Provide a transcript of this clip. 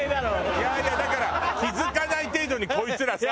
いやいやだから気付かない程度にこいつらさ。